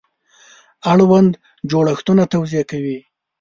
اړوند جوړښتونه توضیح کوي.